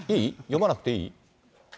読まなくていい？